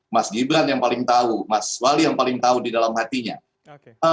mas gibran yang paling tahu mas wali yang paling tahu di dalam hatinya